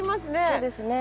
そうですね。